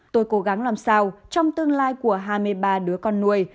tôi cố gắng làm sao trong tương lai của hai mươi ba đứa con nuôi